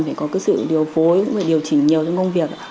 phải có cái sự điều phối cũng phải điều chỉnh nhiều công việc